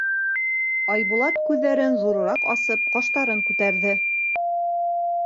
Айбулат күҙҙәрен ҙурыраҡ асып, ҡаштарын күтәрҙе.